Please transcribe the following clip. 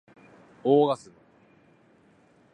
オーガズム